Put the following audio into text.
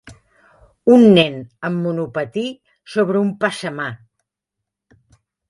Un nen amb un monopatí sobre un passamà.